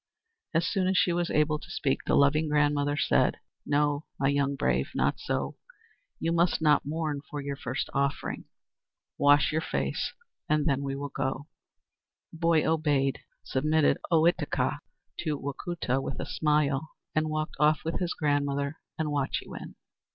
As soon as she was able to speak, the loving grandmother said: "No, my young brave, not so! You must not mourn for your first offering. Wash your face and then we will go." The boy obeyed, submitted Ohitika to Wacoota with a smile, and walked off with his grandmother and Wahchewin.